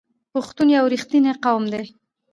پښتون یو رښتینی قوم دی.